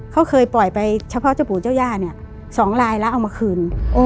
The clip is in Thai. เขาเคยปล่อยไปเฉพาะเจ้าปู่เจ้าย่าเนี่ย๒ลายแล้วเอามาคืน